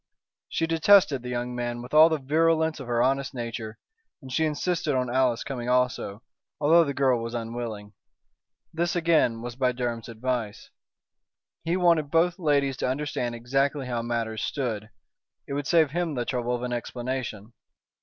She detested the young man with all the virulence of her honest nature. And she insisted on Alice coming also, although the girl was unwilling. This again was by Durham's advice. He wanted both ladies to understand exactly how matters stood. It would save him the trouble of an explanation.